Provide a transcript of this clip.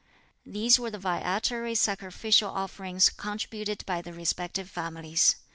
These were the viatory sacrificial offerings contributed by the respective families.